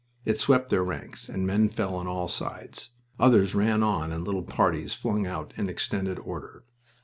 It swept their ranks, and men fell on all sides. Others ran on in little parties flung out in extended order.